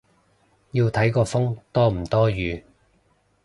要睇個風多唔多雨